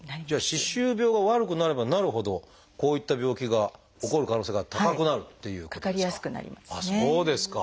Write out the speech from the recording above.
歯周病が悪くなればなるほどこういった病気が起こる可能性が高くなるっていうことですか？